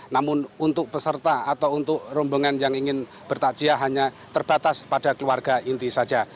namun untuk peserta atau untuk rombongan yang ingin bertajia hanya terbatas pada keluarga inti saja